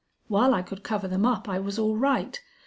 While I could cover them up I was all right.